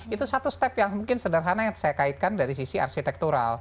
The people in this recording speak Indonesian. itu satu step yang mungkin sederhana yang saya kaitkan dari sisi arsitektural